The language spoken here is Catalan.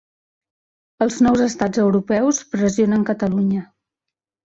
Els nous estats europeus pressionen Catalunya.